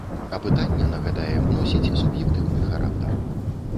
Апытанне, нагадаем, носіць суб'ектыўны характар.